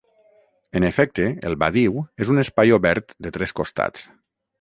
En efecte el badiu és un espai obert de tres costats.